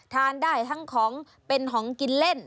ทานได้ทั้งของเป็นของกินเล่น